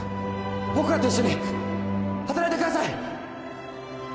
僕らと一緒に働いてください！